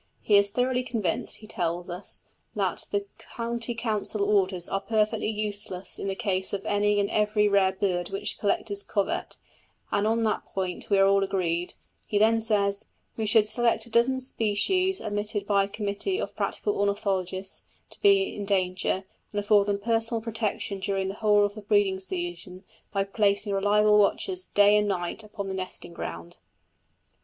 He is thoroughly convinced, he tells us, that the County Council orders are perfectly useless in the case of any and every rare bird which collectors covet; and on that point we are all agreed; he then says: "We should select a dozen species admitted by a committee of practical ornithologists to be in danger, and afford them personal protection during the whole of the breeding season by placing reliable watchers, night and day, upon the nesting ground."